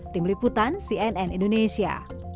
tim liputan cnn indonesia